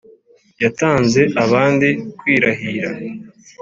Yatanze abandi kwirahira